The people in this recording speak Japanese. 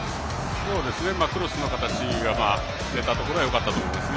クロスの形が出たところはよかったと思います。